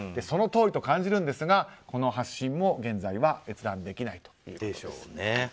そのとおりと感じるんですがこの発信も現在は閲覧できないということです。